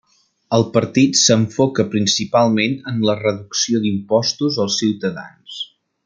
El partit s'enfoca principalment en la reducció d'impostos als ciutadans.